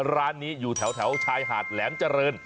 ร้านนี้อยู่แถวชายหาดแหลมเจริญ